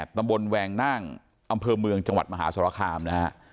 ตำบลแวงนั่งอำเภอเมืองจังหวัดมหาสรคามนะฮะ